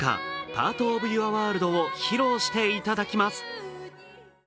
「パート・オブ・ユア・ワールド」を披露していただきます。